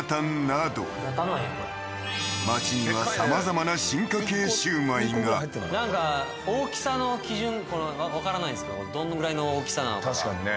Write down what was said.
なんやこれ街にはさまざまな進化系シウマイがなんか大きさの基準わからないんですけどどのぐらいの大きさなのかが確かにね